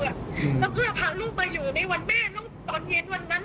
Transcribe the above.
แล้วเพื่อพาลูกมาอยู่ในวันแม่ลูกตอนเย็นวันนั้น